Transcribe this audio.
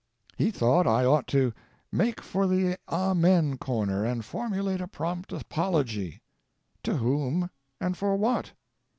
He thought I ought to "make for the amen corner and formulate a prompt apology." To whom, and for what?